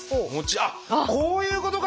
あっこういうことか！